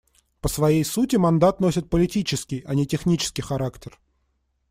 По своей сути мандат носит политический, а не технический характер.